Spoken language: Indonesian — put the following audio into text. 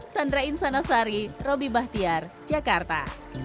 sandra insanasari robby bahtiar jakarta